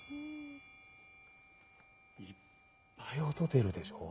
いっぱい音出るでしょ。